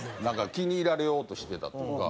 気に入られようとしてたっていうか。